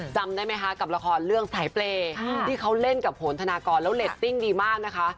จำได้ไหมคะกับละครเรื่องสายเปรย์ที่เขาเล่นกับโหนธนากรแล้วเรตติ้งดีมากนะคะ